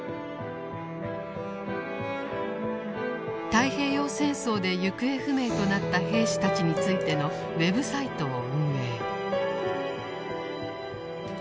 太平洋戦争で行方不明となった兵士たちについてのウェブサイトを運営。